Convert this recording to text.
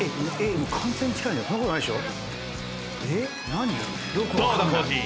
そんなことないでしょ？